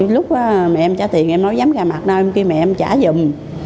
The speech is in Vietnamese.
lúc mẹ em trả tiền em nói dám gà mặt nào em kêu mẹ em trả dùm